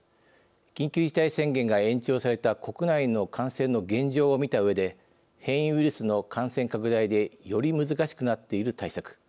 緊急事態宣言が延長された国内の感染の現状を見たうえで変異ウイルスの感染拡大でより難しくなっている対策